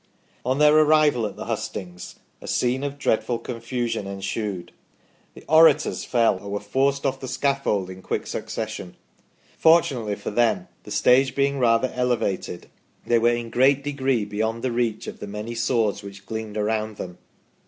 On their arrival at the hustings a scene of dreadful confusion ensued. The orators fell, or were forced off the scaffold in quick succession ; fortun ately for them, the stage being rather elevated, they were in great degree beyond the reach of the many swords which gleamed around them."